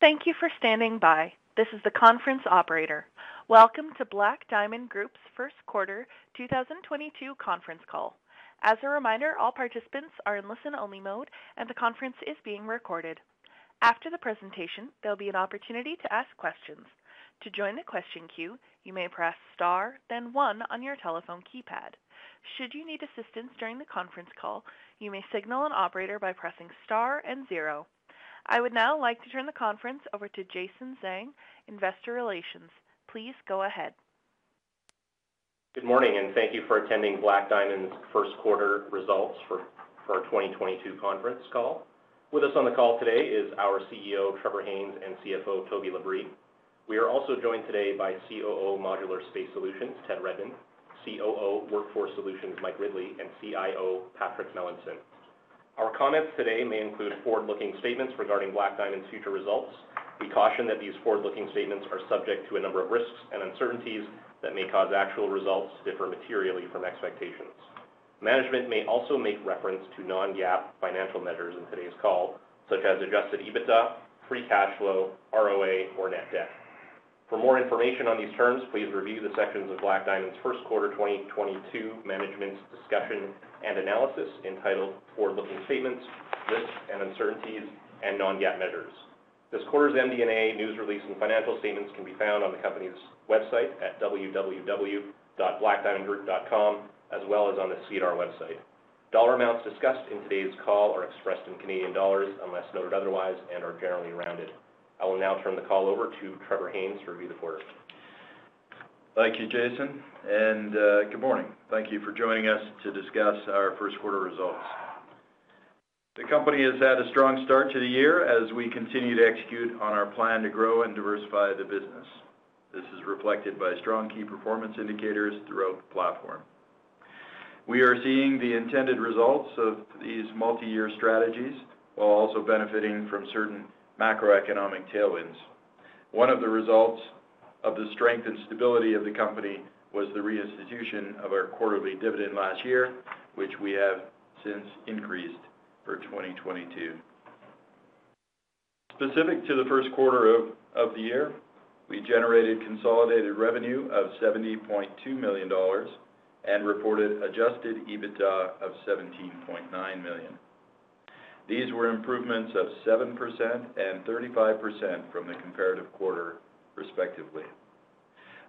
Thank you for standing by. This is the conference operator. Welcome to Black Diamond Group's first quarter 2022 conference call. As a reminder, all participants are in listen-only mode and the conference is being recorded. After the presentation, there'll be an opportunity to ask questions. To join the question queue, you may press star then one on your telephone keypad. Should you need assistance during the conference call, you may signal an operator by pressing star and zero. I would now like to turn the conference over to Jason Zhang, Investor Relations. Please go ahead. Good morning, and thank you for attending Black Diamond's first quarter results for our 2022 conference call. With us on the call today is our CEO, Trevor Haynes, and CFO, Toby LaBrie. We are also joined today by COO, Modular Space Solutions, Ted Redmond, COO, Workforce Solutions, Mike Ridley, and CIO, Patrick Melanson. Our comments today may include forward-looking statements regarding Black Diamond's future results. We caution that these forward-looking statements are subject to a number of risks and uncertainties that may cause actual results to differ materially from expectations. Management may also make reference to non-GAAP financial measures in today's call, such as adjusted EBITDA, free cash flow, ROA, or net debt. For more information on these terms, please review the sections of Black Diamond's first quarter 2022 management's discussion and analysis entitled Forward-Looking Statements, Risks and Uncertainties, and Non-GAAP Measures. This quarter's MD&A news release and financial statements can be found on the company's website at www.blackdiamondgroup.com, as well as on the SEDAR website. Dollar amounts discussed in today's call are expressed in Canadian dollars unless noted otherwise and are generally rounded. I will now turn the call over to Trevor Haynes to review the quarter. Thank you, Jason, and good morning. Thank you for joining us to discuss our first quarter results. The company has had a strong start to the year as we continue to execute on our plan to grow and diversify the business. This is reflected by strong key performance indicators throughout the platform. We are seeing the intended results of these multi-year strategies while also benefiting from certain macroeconomic tailwinds. One of the results of the strength and stability of the company was the reinstitution of our quarterly dividend last year, which we have since increased for 2022. Specific to the first quarter of the year, we generated consolidated revenue of 70.2 million dollars and reported adjusted EBITDA of 17.9 million. These were improvements of 7% and 35% from the comparative quarter respectively.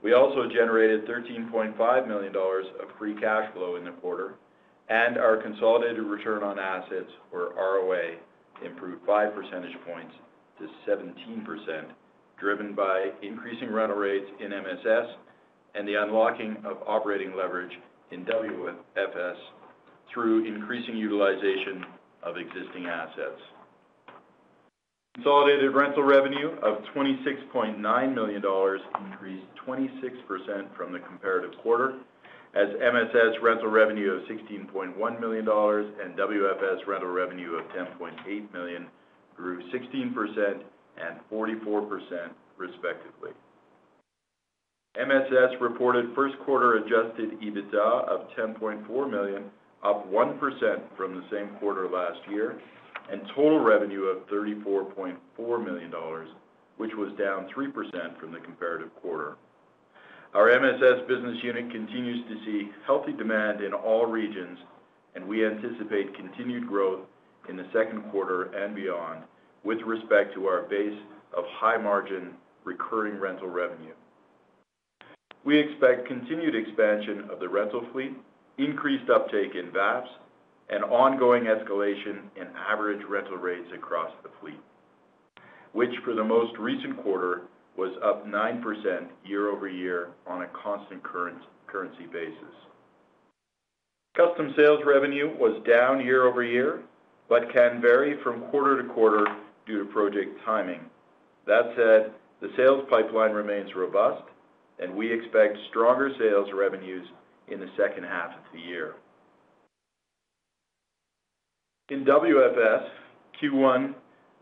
We also generated 13.5 million dollars of free cash flow in the quarter and our consolidated return on assets or ROA improved five percentage points to 17%, driven by increasing rental rates in MSS and the unlocking of operating leverage in WFS through increasing utilization of existing assets. Consolidated rental revenue of 26.9 million dollars increased 26% from the comparative quarter as MSS rental revenue of 16.1 million dollars and WFS rental revenue of 10.8 million grew 16% and 44% respectively. MSS reported first quarter adjusted EBITDA of 10.4 million, up 1% from the same quarter last year, and total revenue of 34.4 million dollars, which was down 3% from the comparative quarter. Our MSS business unit continues to see healthy demand in all regions, and we anticipate continued growth in the second quarter and beyond with respect to our base of high margin recurring rental revenue. We expect continued expansion of the rental fleet, increased uptake in VAPS and ongoing escalation in average rental rates across the fleet, which for the most recent quarter was up 9% year-over-year on a constant currency basis. Custom sales revenue was down year-over-year, but can vary from quarter to quarter due to project timing. That said, the sales pipeline remains robust and we expect stronger sales revenues in the second half of the year. In WFS, Q1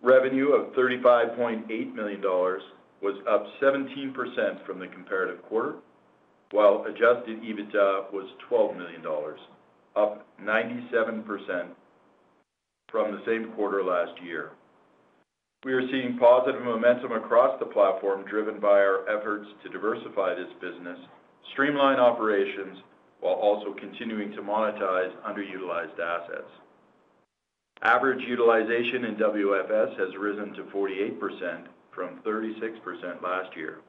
revenue of 35.8 million dollars was up 17% from the comparative quarter, while adjusted EBITDA was 12 million dollars, up 97% from the same quarter last year. We are seeing positive momentum across the platform driven by our efforts to diversify this business, streamline operations while also continuing to monetize underutilized assets. Average utilization in WFS has risen to 48% from 36% last year.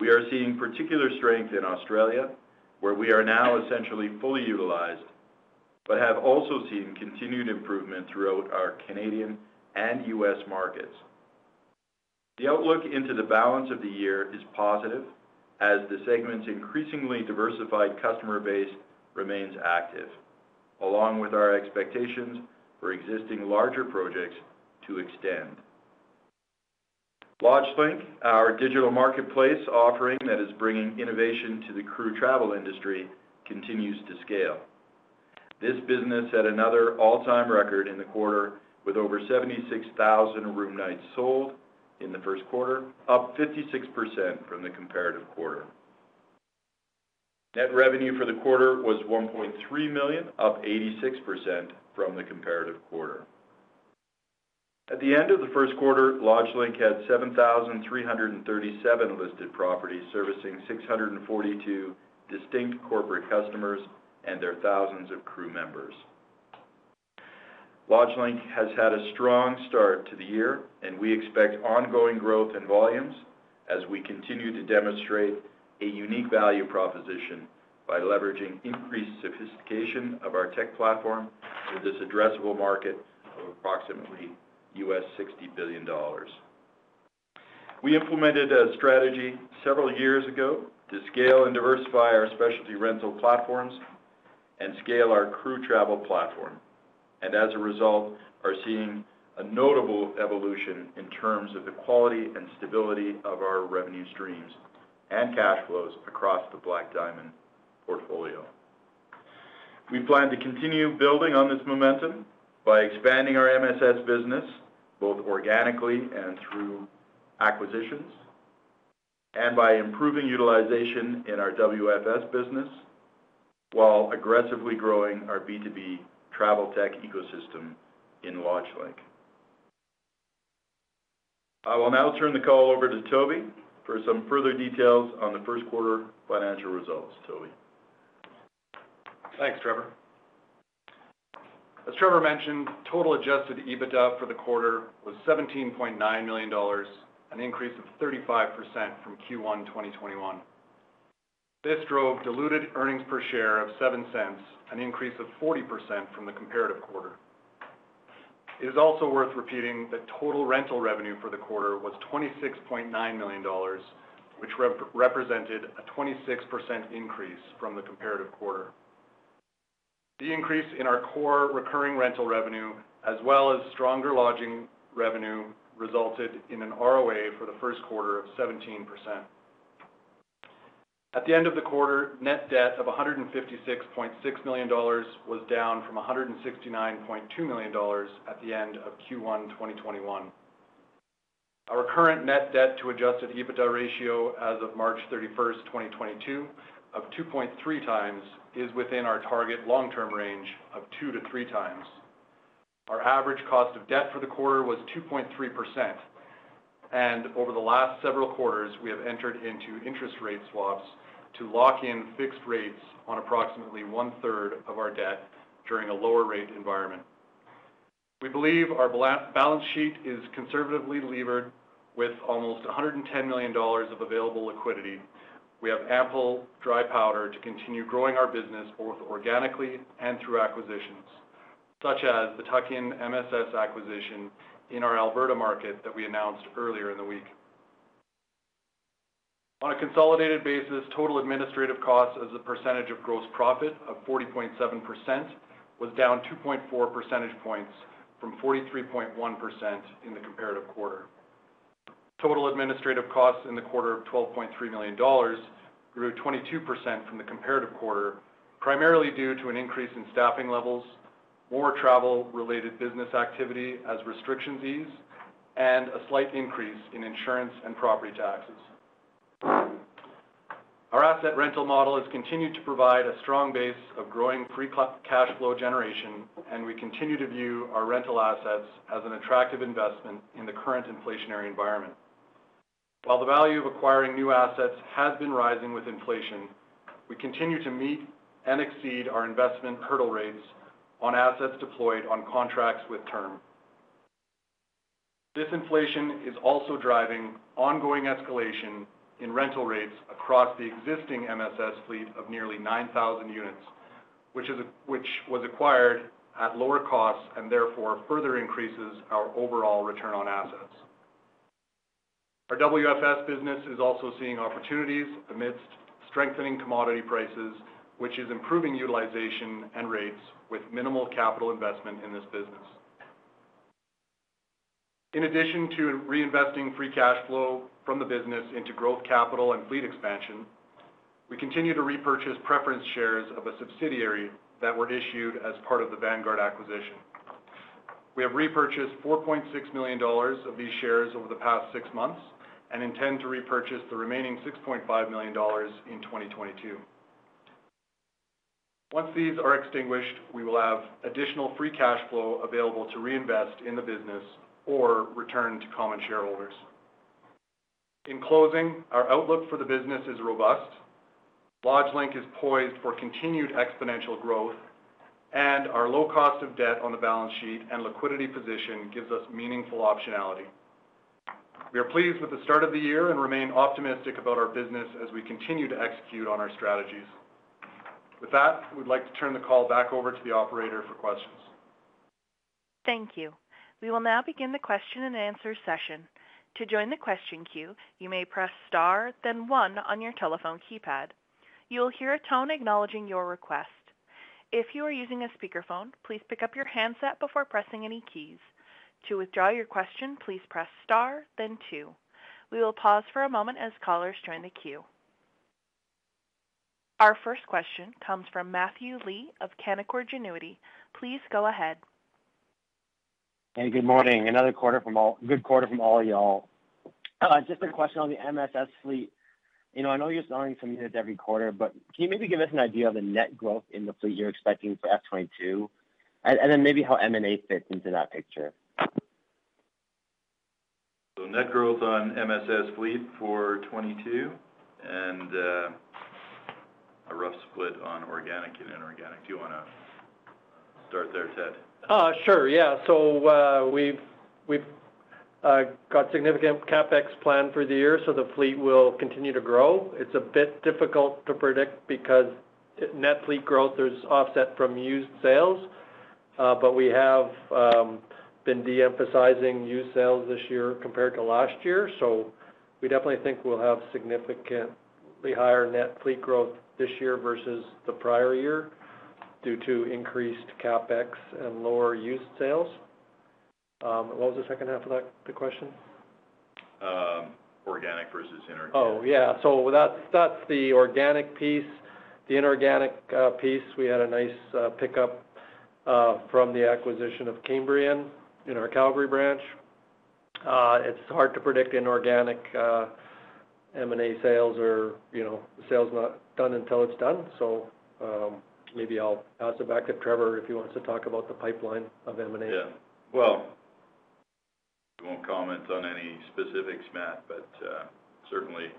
We are seeing particular strength in Australia, where we are now essentially fully utilized, but have also seen continued improvement throughout our Canadian and U.S. markets. The outlook into the balance of the year is positive as the segment's increasingly diversified customer base remains active along with our expectations for existing larger projects to extend. LodgeLink, our digital marketplace offering that is bringing innovation to the crew travel industry, continues to scale. This business had another all-time record in the quarter with over 76,000 room nights sold in the first quarter, up 56% from the comparative quarter. Net revenue for the quarter was 1.3 million, up 86% from the comparative quarter. At the end of the first quarter, LodgeLink had 7,337 listed properties, servicing 642 distinct corporate customers and their thousands of crew members. LodgeLink has had a strong start to the year, and we expect ongoing growth in volumes as we continue to demonstrate a unique value proposition by leveraging increased sophistication of our tech platform with this addressable market of approximately $60 billion. We implemented a strategy several years ago to scale and diversify our specialty rental platforms and scale our crew travel platform, and as a result, are seeing a notable evolution in terms of the quality and stability of our revenue streams and cash flows across the Black Diamond portfolio. We plan to continue building on this momentum by expanding our MSS business, both organically and through acquisitions, and by improving utilization in our WFS business while aggressively growing our B2B travel tech ecosystem in LodgeLink. I will now turn the call over to Toby LaBrie for some further details on the first quarter financial results. Toby LaBrie. Thanks, Trevor. As Trevor mentioned, total adjusted EBITDA for the quarter was 17.9 million dollars, an increase of 35% from Q1 2021. This drove diluted earnings per share of 0.07, an increase of 40% from the comparative quarter. It is also worth repeating that total rental revenue for the quarter was 26.9 million dollars, which represented a 26% increase from the comparative quarter. The increase in our core recurring rental revenue as well as stronger lodging revenue resulted in an ROA for the first quarter of 17%. At the end of the quarter, net debt of 156.6 million dollars was down from 169.2 million dollars at the end of Q1 2021. Our current net debt to adjusted EBITDA ratio as of March 31, 2022, of 2.3 times is within our target long-term range of 2-3 times. Our average cost of debt for the quarter was 2.3%, and over the last several quarters, we have entered into interest rate swaps to lock in fixed rates on approximately one-third of our debt during a lower rate environment. We believe our balance sheet is conservatively levered with almost 110 million dollars of available liquidity. We have ample dry powder to continue growing our business both organically and through acquisitions, such as the tuck-in MSS acquisition in our Alberta market that we announced earlier in the week. On a consolidated basis, total administrative costs as a percentage of gross profit of 40.7% was down 2.4 percentage points from 43.1% in the comparative quarter. Total administrative costs in the quarter of 12.3 million dollars grew 22% from the comparative quarter, primarily due to an increase in staffing levels, more travel-related business activity as restrictions ease, and a slight increase in insurance and property taxes. Our asset rental model has continued to provide a strong base of growing free cash flow generation, and we continue to view our rental assets as an attractive investment in the current inflationary environment. While the value of acquiring new assets has been rising with inflation, we continue to meet and exceed our investment hurdle rates on assets deployed on contracts with term. This inflation is also driving ongoing escalation in rental rates across the existing MSS fleet of nearly 9,000 units, which was acquired at lower costs, and therefore further increases our overall return on assets. Our WFS business is also seeing opportunities amidst strengthening commodity prices, which is improving utilization and rates with minimal capital investment in this business. In addition to reinvesting free cash flow from the business into growth capital and fleet expansion, we continue to repurchase preference shares of a subsidiary that were issued as part of the Vanguard acquisition. We have repurchased 4.6 million dollars of these shares over the past six months and intend to repurchase the remaining 6.5 million dollars in 2022. Once these are extinguished, we will have additional free cash flow available to reinvest in the business or return to common shareholders. In closing, our outlook for the business is robust. LodgeLink is poised for continued exponential growth, and our low cost of debt on the balance sheet and liquidity position gives us meaningful optionality. We are pleased with the start of the year and remain optimistic about our business as we continue to execute on our strategies. With that, we'd like to turn the call back over to the operator for questions. Thank you. We will now begin the question and answer session. To join the question queue, you may press star then one on your telephone keypad. You will hear a tone acknowledging your request. If you are using a speakerphone, please pick up your handset before pressing any keys. To withdraw your question, please press star then two. We will pause for a moment as callers join the queue. Our first question comes from Matthew Lee of Canaccord Genuity. Please go ahead. Hey, good morning. Good quarter from all of y'all. Just a question on the MSS fleet. You know, I know you're selling some units every quarter, but can you maybe give us an idea of the net growth in the fleet you're expecting for FY 2022? Then maybe how M&A fits into that picture. Net growth on MSS fleet for 2022 and a rough split on organic and inorganic. Do you wanna start there, Ted? Sure, yeah. We've got significant CapEx plan for the year, so the fleet will continue to grow. It's a bit difficult to predict because net fleet growth is offset from used sales. We have been de-emphasizing used sales this year compared to last year. We definitely think we'll have significantly higher net fleet growth this year versus the prior year due to increased CapEx and lower used sales. What was the second half of that, the question? Organic versus inorganic. Oh, yeah. That's the organic piece. The inorganic piece, we had a nice pickup from the acquisition of Cambrian in our Calgary branch. It's hard to predict inorganic M&A sales or, you know, the sale's not done until it's done. Maybe I'll pass it back to Trevor if he wants to talk about the pipeline of M&A. Yeah. Well, we won't comment on any specifics, Matt, but certainly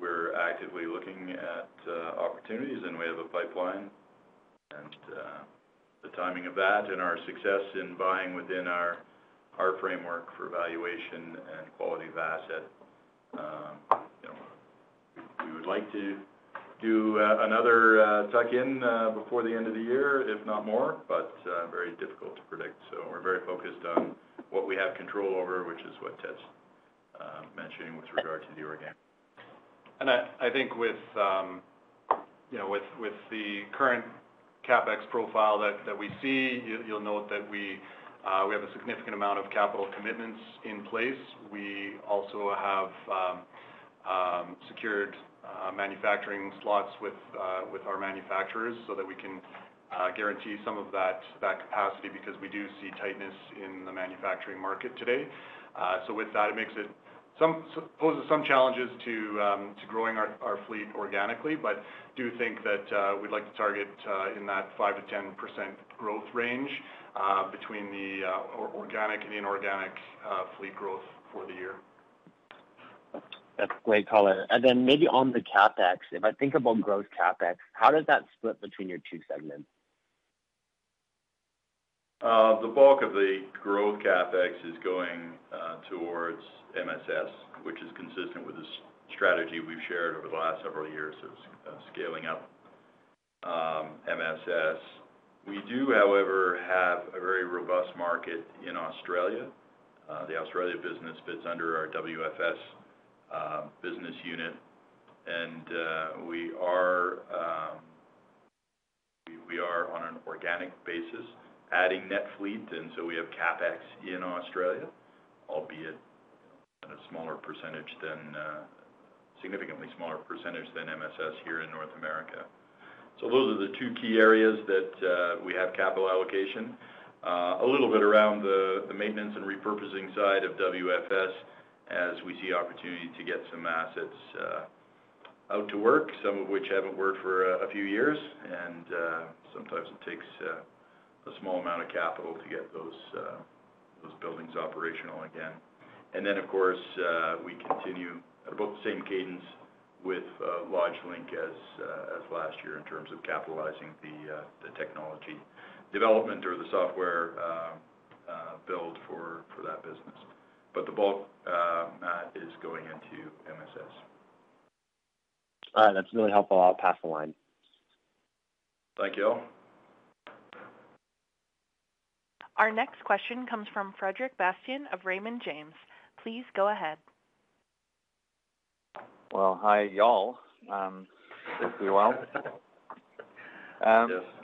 we're actively looking at opportunities, and we have a pipeline. The timing of that and our success in buying within our framework for valuation and quality of asset, you know, we would like to do another tuck-in before the end of the year, if not more, but very difficult to predict. We're very focused on what we have control over, which is what Ted's mentioning with regard to the organic. I think with you know, with the current CapEx profile that we see, you'll note that we have a significant amount of capital commitments in place. We also have secured manufacturing slots with our manufacturers so that we can guarantee some of that capacity because we do see tightness in the manufacturing market today. So with that, it poses some challenges to growing our fleet organically, but do think that we'd like to target in that 5%-10% growth range between the organic and inorganic fleet growth for the year. That's great color. Maybe on the CapEx, if I think about growth CapEx, how does that split between your two segments? The bulk of the growth CapEx is going towards MSS, which is consistent with the strategy we've shared over the last several years of scaling up MSS. We do, however, have a very robust market in Australia. The Australia business fits under our WFS business unit. We are on an organic basis adding net fleet, and we have CapEx in Australia, albeit at a significantly smaller percentage than MSS here in North America. Those are the two key areas that we have capital allocation. A little bit around the maintenance and repurposing side of WFS as we see opportunity to get some assets out to work, some of which haven't worked for a few years. Sometimes it takes a small amount of capital to get those buildings operational again. Of course, we continue at about the same cadence with LodgeLink as last year in terms of capitalizing the technology development or the software build for that business. The bulk, Matt, is going into MSS. All right. That's really helpful. I'll pass the line. Thank you. Our next question comes from Frederic Bastien of Raymond James. Please go ahead. Well, hi, y'all. Hope you're well.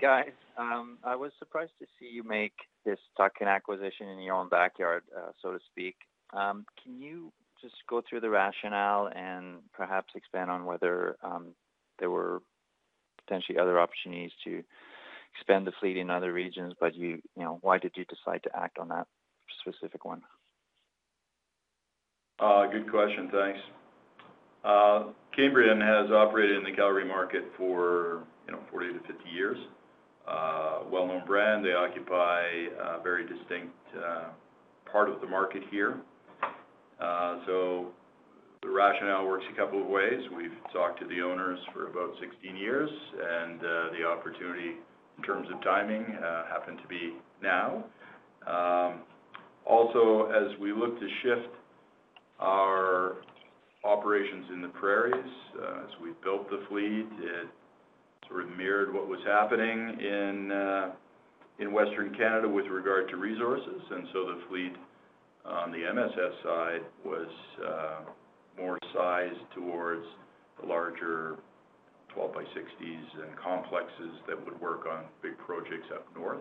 Guys, I was surprised to see you make this tuck-in acquisition in your own backyard, so to speak. Can you just go through the rationale and perhaps expand on whether there were potentially other opportunities to expand the fleet in other regions, but you know, why did you decide to act on that specific one? Good question. Thanks. Cambrian has operated in the Calgary market for, you know, 40-50 years. A well-known brand. They occupy a very distinct part of the market here. So the rationale works a couple of ways. We've talked to the owners for about 16 years, and the opportunity in terms of timing happened to be now. Also, as we look to shift our operations in the Prairies, as we built the fleet, it sort of mirrored what was happening in Western Canada with regard to resources. The fleet on the MSS side was more sized towards the larger 12 by 60s and complexes that would work on big projects up north.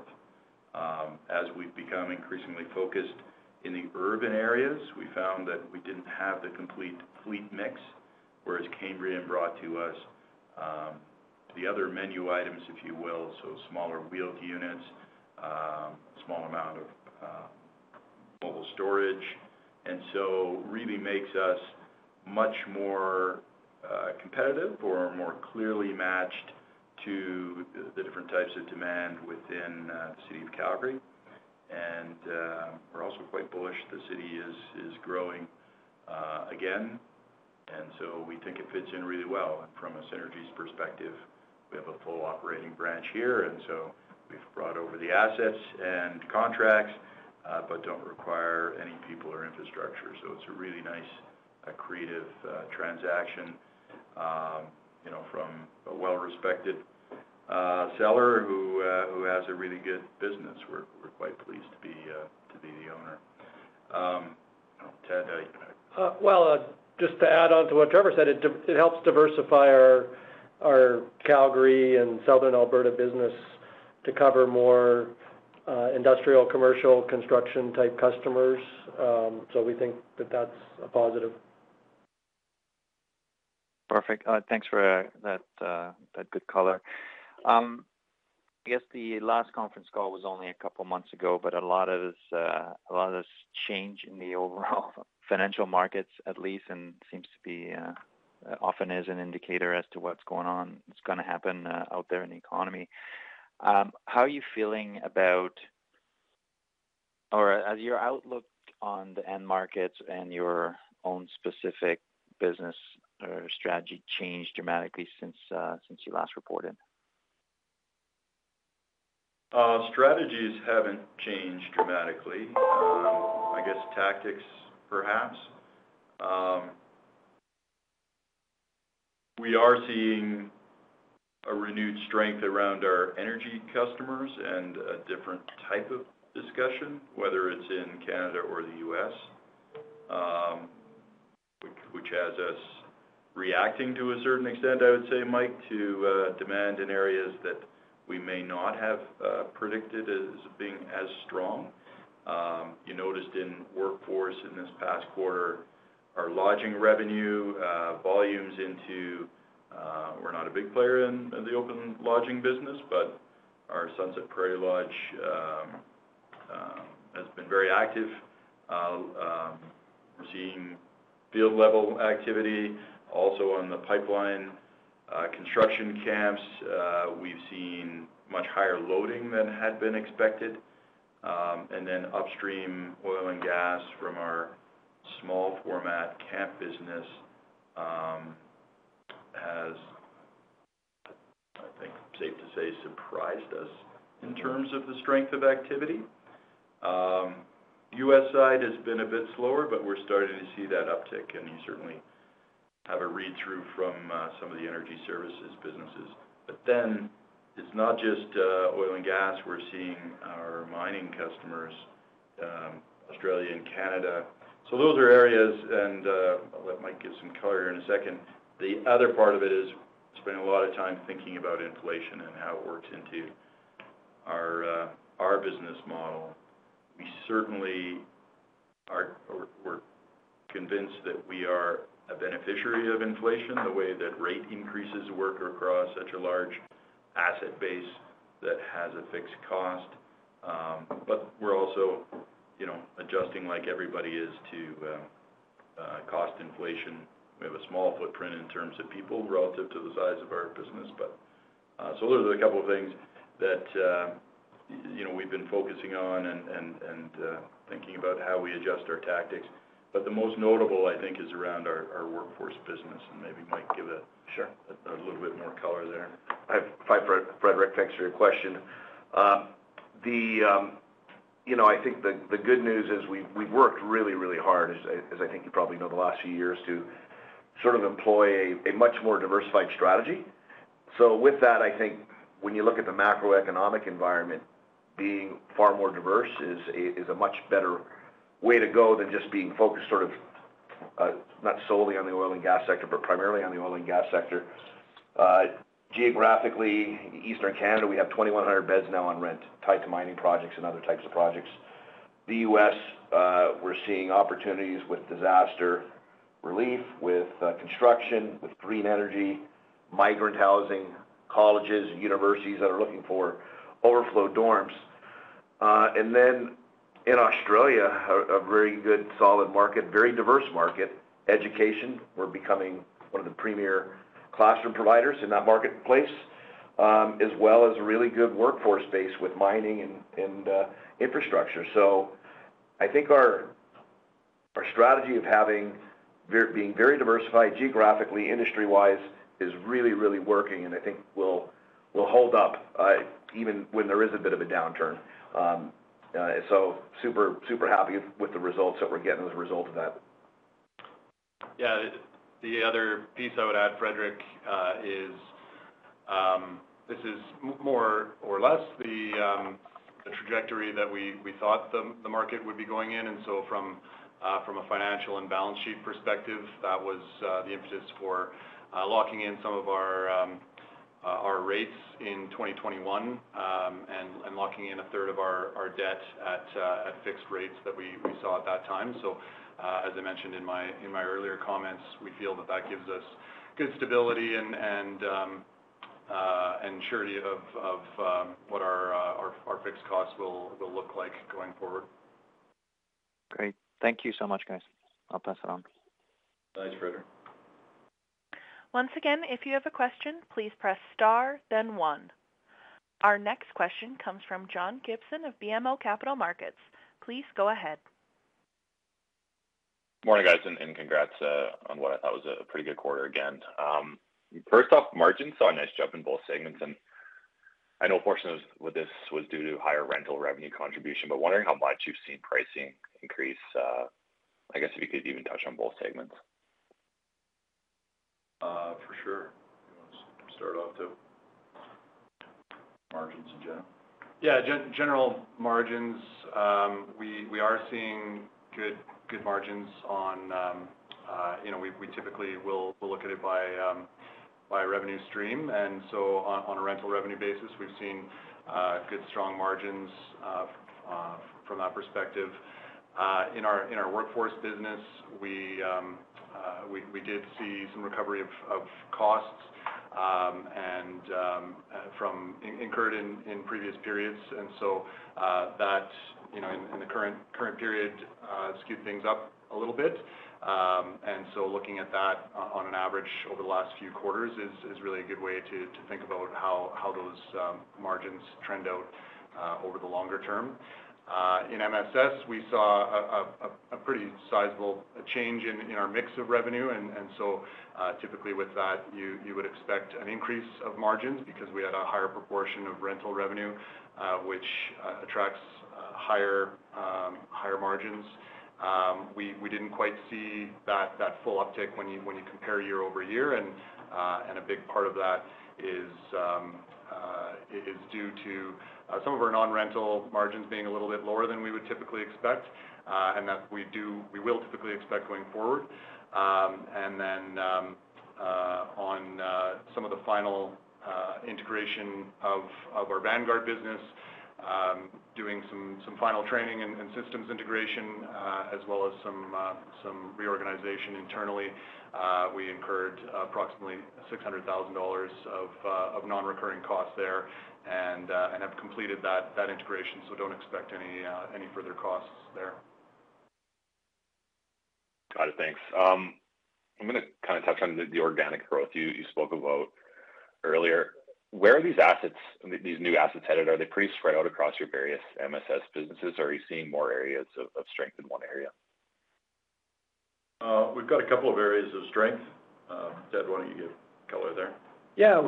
As we've become increasingly focused in the urban areas, we found that we didn't have the complete fleet mix. Whereas Cambrian brought to us the other menu items, if you will, so smaller wheeled units, small amount of mobile storage. Really makes us much more competitive or more clearly matched to the different types of demand within the city of Calgary. We're also quite bullish. The city is growing again. We think it fits in really well. From a synergies perspective, we have a full operating branch here, and so we've brought over the assets and contracts, but don't require any people or infrastructure. It's a really nice, creative transaction, you know, from a well-respected seller who has a really good business. We're quite pleased to be the owner. Ted, you can- Well, just to add on to what Trevor said, it helps diversify our Calgary and Southern Alberta business to cover more industrial, commercial, construction-type customers. We think that that's a positive. Perfect. Thanks for that good color. I guess the last conference call was only a couple of months ago, but a lot of this change in the overall financial markets, at least, and seems to be often as an indicator as to what's going on, what's gonna happen out there in the economy. How are you feeling about or has your outlook on the end markets and your own specific business or strategy changed dramatically since you last reported? Strategies haven't changed dramatically. I guess tactics, perhaps. We are seeing a renewed strength around our energy customers and a different type of discussion, whether it's in Canada or the U.S., which has us reacting to a certain extent, I would say, Mike, to demand in areas that we may not have predicted as being as strong. You noticed in Workforce in this past quarter, our lodging revenue volumes into, we're not a big player in the open lodging business, but our Sunset Prairie Lodge has been very active. We're seeing field-level activity also on the pipeline construction camps. We've seen much higher loading than had been expected. Upstream oil and gas from our small format camp business has, I think, safe to say, surprised us in terms of the strength of activity. U.S. side has been a bit slower, but we're starting to see that uptick, and you certainly have a read-through from some of the energy services businesses. It's not just oil and gas. We're seeing our mining customers Australia and Canada. Those are areas and I'll let Mike give some color here in a second. The other part of it is spending a lot of time thinking about inflation and how it works into our business model. We're convinced that we are a beneficiary of inflation, the way that rate increases work across such a large asset base that has a fixed cost. We're also, you know, adjusting like everybody is to cost inflation. We have a small footprint in terms of people relative to the size of our business, but those are a couple of things that you know, we've been focusing on and thinking about how we adjust our tactics. The most notable, I think, is around our workforce business, and maybe Mike, give a Sure. A little bit more color there. Hi, Frederic. Thanks for your question. You know, I think the good news is we've worked really hard, as I think you probably know, the last few years to sort of employ a much more diversified strategy. With that, I think when you look at the macroeconomic environment, being far more diverse is a much better way to go than just being focused, sort of, not solely on the oil and gas sector, but primarily on the oil and gas sector. Geographically, Eastern Canada, we have 2,100 beds now on rent tied to mining projects and other types of projects. The US, we're seeing opportunities with disaster relief, with construction, with green energy, migrant housing, colleges, universities that are looking for overflow dorms. In Australia, a very good solid market, very diverse market. Education, we're becoming one of the premier classroom providers in that marketplace, as well as a really good workforce base with mining and infrastructure. I think our strategy of being very diversified geographically, industry-wise, is really working, and I think will hold up even when there is a bit of a downturn. Super happy with the results that we're getting as a result of that. Yeah. The other piece I would add, Frederic, is this is more or less the trajectory that we thought the market would be going in. From a financial and balance sheet perspective, that was the impetus for locking in some of our rates in 2021 and locking in a third of our debt at fixed rates that we saw at that time. As I mentioned in my earlier comments, we feel that that gives us good stability and surety of what our fixed costs will look like going forward. Great. Thank you so much, guys. I'll pass it on. Thanks, Frederic. Once again, if you have a question, please press Star, then One. Our next question comes from John Gibson of BMO Capital Markets. Please go ahead. Morning, guys, and congrats on what I thought was a pretty good quarter again. First off, margins saw a nice jump in both segments, and I know a portion of this was due to higher rental revenue contribution, but wondering how much you've seen pricing increase. I guess if you could even touch on both segments. For sure. You want to start off too? Margins in general. Yeah, general margins, we are seeing good margins on, you know, we typically will look at it by revenue stream. On a rental revenue basis, we've seen good strong margins from that perspective. In our workforce business, we did see some recovery of costs incurred in previous periods. That you know in the current period skewed things up a little bit. Looking at that on an average over the last few quarters is really a good way to think about how those margins trend out over the longer term. In MSS, we saw a pretty sizable change in our mix of revenue. Typically with that, you would expect an increase of margins because we had a higher proportion of rental revenue, which attracts higher margins. We didn't quite see that full uptick when you compare year-over-year. A big part of that is due to some of our non-rental margins being a little bit lower than we would typically expect, and that we will typically expect going forward. On some of the final integration of our Vanguard business, doing some final training and systems integration, as well as some reorganization internally, we incurred approximately 600,000 dollars of non-recurring costs there and have completed that integration, so don't expect any further costs there. Got it. Thanks. I'm gonna kinda touch on the organic growth you spoke about earlier. Where are these new assets headed? Are they pretty spread out across your various MSS businesses, or are you seeing more areas of strength in one area? We've got a couple of areas of strength. Ted, why don't you give color there? Yeah.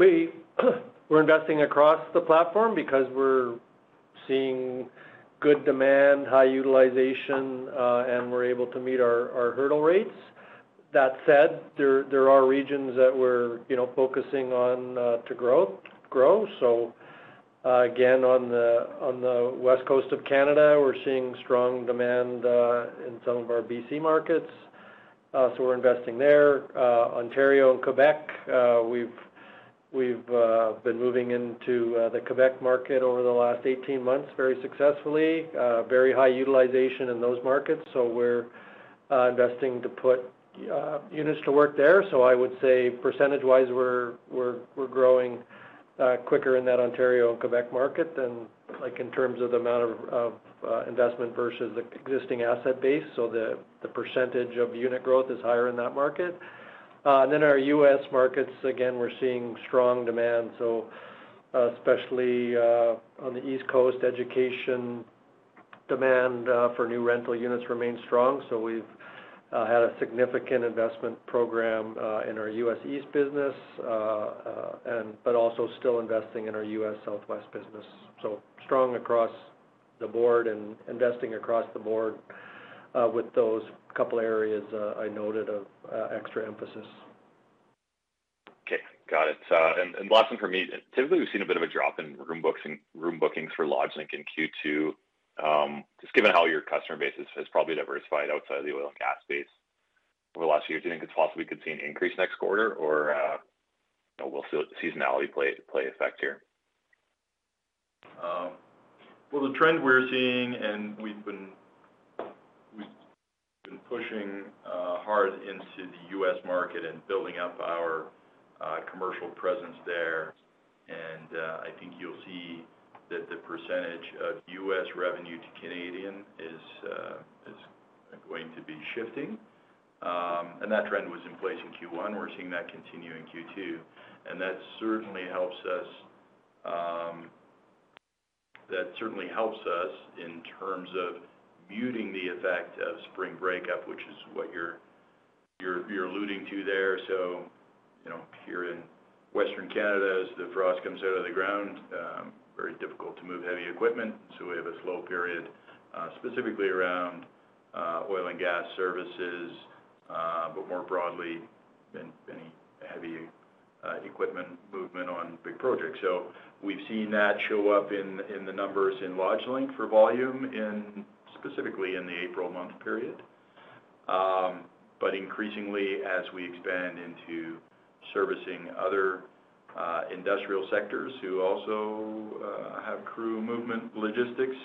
We're investing across the platform because we're seeing good demand, high utilization, and we're able to meet our hurdle rates. That said, there are regions that we're, you know, focusing on to grow. Again, on the West Coast of Canada, we're seeing strong demand in some of our BC markets, so we're investing there. Ontario and Québec, we've been moving into the Québec market over the last 18 months very successfully. Very high utilization in those markets, so we're investing to put units to work there. I would say percentage-wise, we're growing quicker in that Ontario and Québec market than, like, in terms of the amount of investment versus the existing asset base. The percentage of unit growth is higher in that market than our U.S. markets. Again, we're seeing strong demand, especially on the East Coast. Education demand for new rental units remains strong. We've had a significant investment program in our US East business and but also still investing in our US Southwest business. Strong across the board and investing across the board with those couple areas I noted of extra emphasis. Okay. Got it. And last one for me. Typically, we've seen a bit of a drop in room bookings for LodgeLink in Q2. Just given how your customer base has probably diversified outside the oil and gas space over the last few years, do you think it's possible we could see an increase next quarter, or will seasonality affect here? Well, the trend we're seeing, and we've been pushing hard into the U.S. market and building up our commercial presence there, and I think you'll see that the percentage of U.S. revenue to Canadian is going to be shifting. That trend was in place in Q1. We're seeing that continue in Q2, and that certainly helps us. That certainly helps us in terms of muting the effect of spring breakup, which is what you're alluding to there. You know, here in Western Canada, as the frost comes out of the ground, very difficult to move heavy equipment, so we have a slow period, specifically around oil and gas services, but more broadly than any heavy equipment movement on big projects. We've seen that show up in the numbers in LodgeLink for volume specifically in the April month period. But increasingly as we expand into servicing other industrial sectors who also have crew movement logistics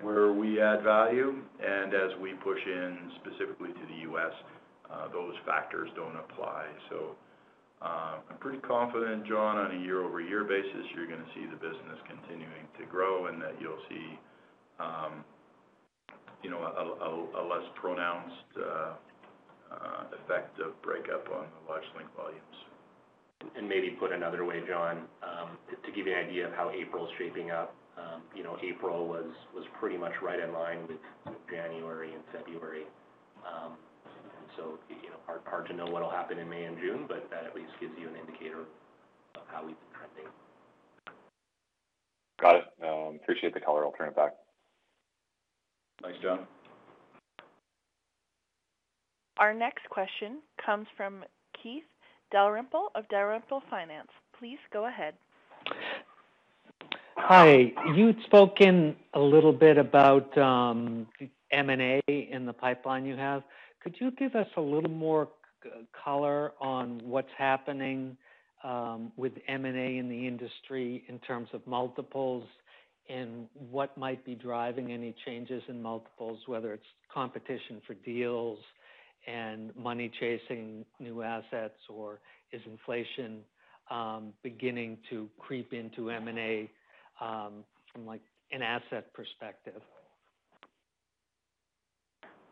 where we add value and as we push in specifically to the US, those factors don't apply. I'm pretty confident, John, on a year-over-year basis, you're gonna see the business continuing to grow and that you'll see, you know, a less pronounced effect of breakup on the LodgeLink volumes. Maybe put another way, John, to give you an idea of how April is shaping up, you know, April was pretty much right in line with January and February. You know, hard to know what'll happen in May and June, but that at least gives you an indicator of how we've been trending. Got it. No, appreciate the color. I'll turn it back. Thanks, John. Our next question comes from Keith Dalrymple of Dalrymple Finance. Please go ahead. Hi. You'd spoken a little bit about M&A in the pipeline you have. Could you give us a little more color on what's happening with M&A in the industry in terms of multiples and what might be driving any changes in multiples, whether it's competition for deals and money chasing new assets, or is inflation beginning to creep into M&A from like an asset perspective?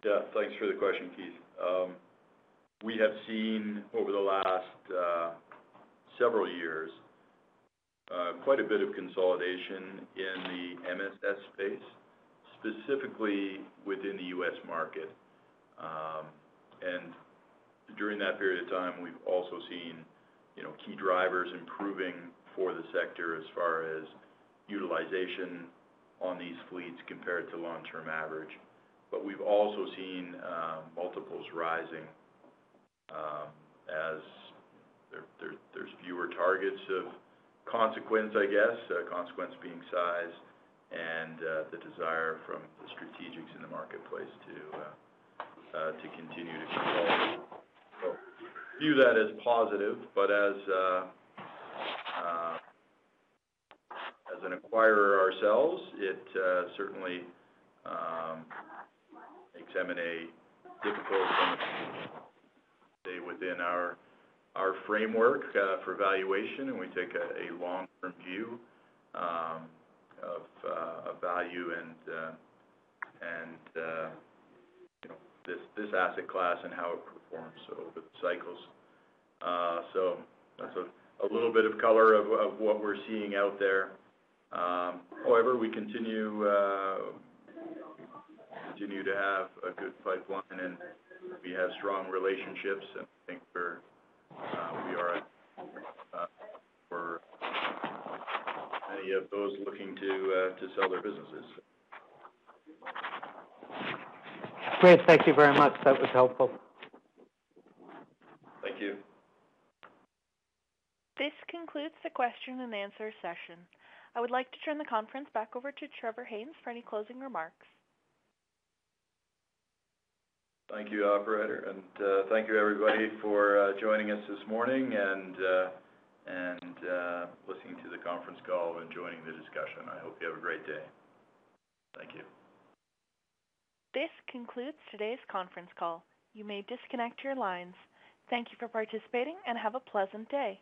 Yeah. Thanks for the question, Keith. We have seen over the last several years quite a bit of consolidation in the MSS space, specifically within the U.S. market. During that period of time, we've also seen, you know, key drivers improving for the sector as far as utilization on these fleets compared to long-term average. We've also seen multiples rising as there's fewer targets of consequence, I guess. Consequence being size and the desire from the strategics in the marketplace to continue to consolidate. View that as positive. As an acquirer ourselves, it certainly makes M&A difficult from a valuation standpoint. Stay within our framework for valuation, and we take a long-term view of value and you know, this asset class and how it performs over the cycles. That's a little bit of color on what we're seeing out there. However, we continue to have a good pipeline, and we have strong relationships. I think we're after any of those looking to sell their businesses. Great. Thank you very much. That was helpful. Thank you. This concludes the question and answer session. I would like to turn the conference back over to Trevor Haynes for any closing remarks. Thank you, operator, and thank you everybody for joining us this morning and listening to the conference call and joining the discussion. I hope you have a great day. Thank you. This concludes today's conference call. You may disconnect your lines. Thank you for participating and have a pleasant day.